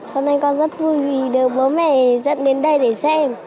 hôm nay con rất vui vì được bố mẹ dẫn đến đây để xem